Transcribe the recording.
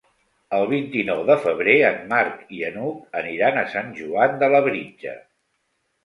El vint-i-nou de febrer en Marc i n'Hug aniran a Sant Joan de Labritja.